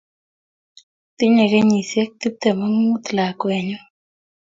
tinyei kenyisiek tiptem ak mut lakwenyu